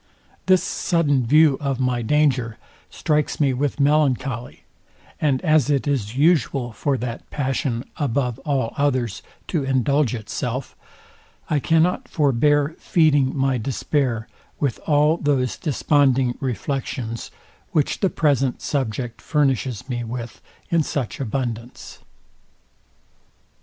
This sudden view of my danger strikes me with melancholy; and as it is usual for that passion, above all others, to indulge itself; I cannot forbear feeding my despair, with all those desponding reflections, which the present subject furnishes me with in such abundance.